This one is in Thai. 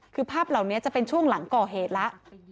คือภาพเหล่านี้จะเป็นช่วงหลังก่อเหตุแล้ว